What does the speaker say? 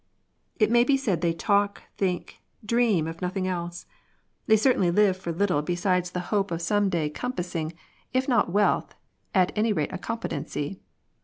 It may be said they talk, think, dream of nothing else. They certainly live for little besides 148 MONEY. the hope of some day compassing, if not wealth, at any rate a competency.